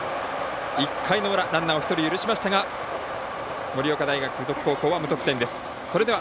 １回の裏、ランナー１人許しましたが盛岡大学付属高校は無得点です。